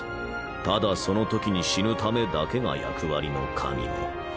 ただそのときに死ぬためだけが役割の神も。